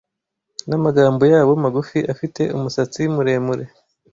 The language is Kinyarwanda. namagambo yabo magufi afite umusatsi muremure